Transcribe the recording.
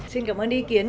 xin cảm ơn ý kiến